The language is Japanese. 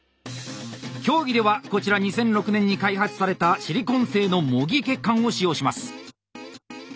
競技ではこちら２００６年に開発されたシリコン製の模擬血管を使用します。